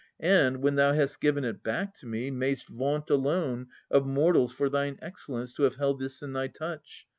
And, — when thou hast given it back to me, — may'st vaunt Alone of mortals for thine excellence To have held this in thy touch.